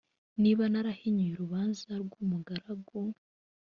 niba narahinyuye urubanza rw umugaragu